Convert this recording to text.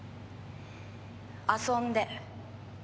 遊んで。